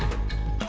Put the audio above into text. ini oke deh